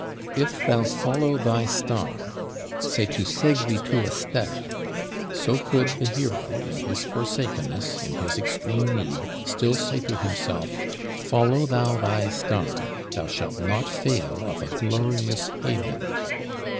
"If thou follow thy star, Se tu segui tua stella," so could the Hero, in his forsakenness, in his extreme need, still say to himself: "Follow thou thy star, thou shalt not fail of a glorious haven!"